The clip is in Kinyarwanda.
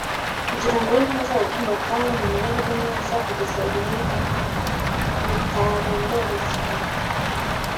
kugira ngo wowe n abazagukomokaho mumererwe neza d kugeza ibihe bitarondoreka